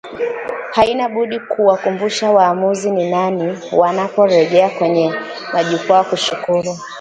Haina budi kuwakumbusha waamuzi ni nani wanaporejea kwenye majukwaa kushukuru